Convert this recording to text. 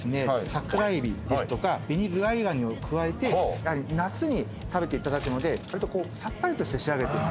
サクラエビですとかベニズワイガニを加えて夏に食べていただくのでさっぱりとして仕上げています。